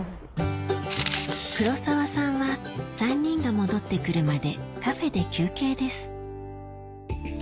黒沢さんは３人が戻って来るまでカフェで休憩です